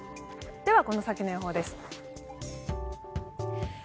この先の予報です。